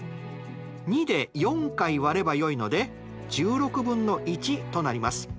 ２で４回割ればよいので１６分の１となります。